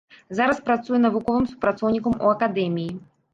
Зараз працуе навуковым супрацоўнікам у акадэміі.